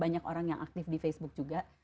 banyak orang yang aktif di facebook juga